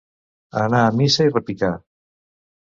Anar a missa i repicar.